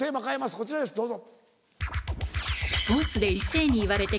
こちらですどうぞ。